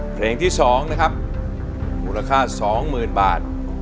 เพลงที่๒นะครับมูลค่า๒๐๐๐บาท